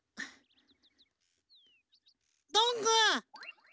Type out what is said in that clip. どんぐー。